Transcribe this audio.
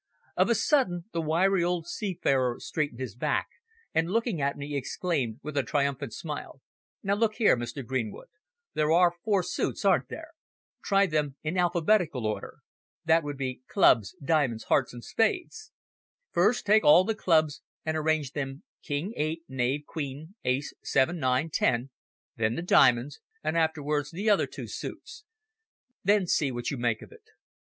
Of a sudden, the wiry old seafarer straightened his back, and, looking at me, exclaimed, with a triumphant smile "Now, look here, Mr. Greenwood, there are four suites, aren't there? Try them in alphabetical order that would be clubs, diamonds, hearts and spades. First take all the clubs and arrange them king, eight, knave, queen, ace, seven, nine, ten, then the diamonds, and afterwards the other two suites. Then see what you make of it."